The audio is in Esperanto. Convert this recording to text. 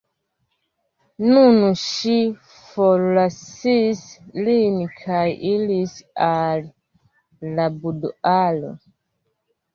Nun ŝi forlasis lin kaj iris al la buduaro.